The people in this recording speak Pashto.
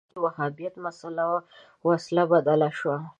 په دې وخت کې وهابیت مسأله وسله بدله شوه